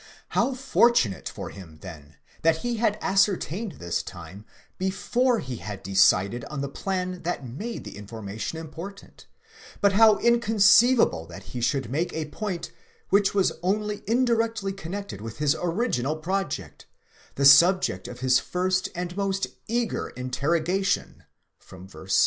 How fortunate for him, then, that he had ascertained this time before he had decided on the plan that made the information important; but how inconceivable that he should make a point which was only indirectly connected with his original project, the sub ject of his first and most eager interrogation (v. 7) !